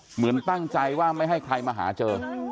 เหมือนตั้งใจว่าไม่ให้ใครมาหาเจอ